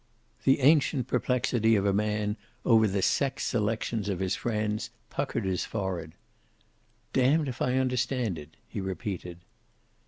The ancient perplexity of a man over the sex selections of his friends puckered his forehead. "Damned if I understand it," he repeated.